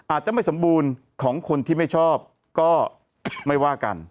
อาจจะไม่สมบูรณ์ของคนที่ไม่ชอบก็ไม่ว่ากัน